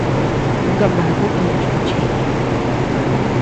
Uu kanbaku iyu chi kuchi.